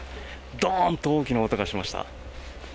ドーンと大きな音がしました。